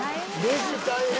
レジ大変。